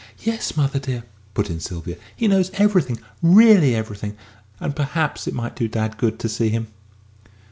"Yes, mother, dear," put in Sylvia, "he knows everything really everything. And perhaps it might do dad good to see him."